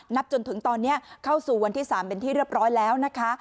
จนถึงตอนนี้เข้าสู่วันที่๓เป็นที่เรียบร้อยแล้วนะคะ